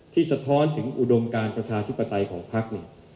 ที่สะท้อนถึงอุดมการประชาธิบัติของพักเนี่ย